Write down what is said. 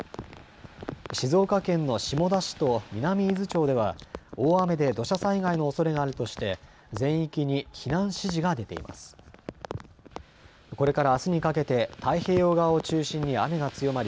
静岡県の下田市と南伊豆町では大雨で土砂災害のおそれがあるとして全域に避難指示が出ています。